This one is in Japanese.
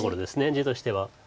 地としては。